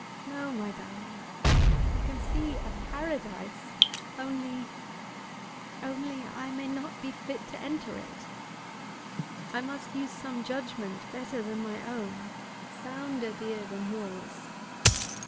No, my darling. I can see a Paradise; only, only, I may not be fit to enter it. I must use some judgment better than my own, sounder, dear, than yours.